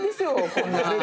こんな。